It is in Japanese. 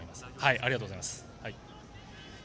ありがとうございます。